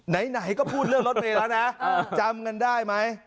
จำได้แล้วนะจำกันได้มั้ย